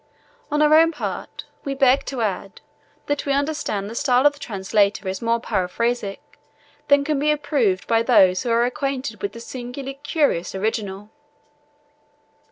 On our own part, we beg to add, that we understand the style of the translator is more paraphrastic than can be approved by those who are acquainted with the singularly curious original.